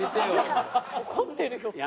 怒ってるよ。